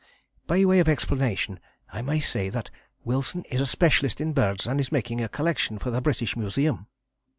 By way of explanation I may say that Wilson is a specialist in birds and is making a collection for the British Museum.